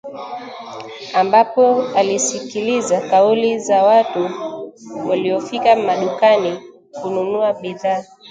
ambapo alisikiliza kauli za watu waliofika madukani kununua bidhaa